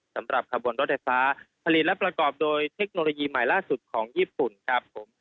สำหรับขบวนรถไฟฟ้าผลิตและประกอบโดยเทคโนโลยีใหม่ล่าสุดของญี่ปุ่นครับผม